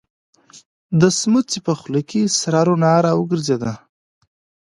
د سمڅې په خوله کې سره رڼا را وګرځېده.